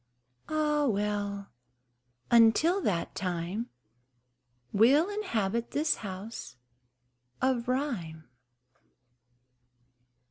Ah well, until that time We'll habit in this house of rhyme.